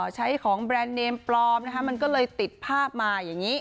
ใช้ของแบรนด์เนมปลอมนะคะมันก็เลยติดภาพมาอย่างนี้